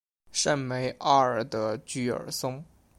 圣梅阿尔德居尔松。